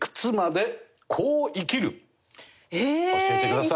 教えてください。